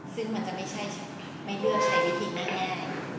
ซึ่งมันจะไม่เลือกใช้วิธีแน่